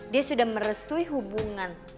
dia sudah merestui hubungan